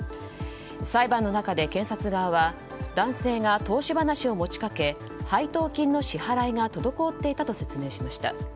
裁判の中で検察側は男性が投資話を持ち掛け配当金の支払いが滞っていたと説明しました。